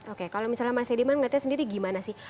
oke kalau misalnya mas ediman melihatnya sendiri gimana sih